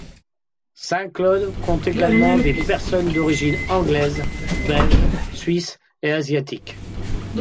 Saint-Claude compte également des personnes d'origine anglaise, belge, suisse et asiatique.